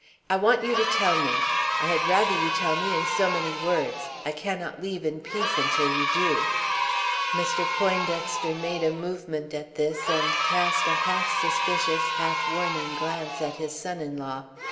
I want you to tell me. I had rather you would tell me in so many words. I cannot leave in peace until you do." Mr. Poindexter made a movement at this, and cast a half suspicious, half warning glance at his son in law.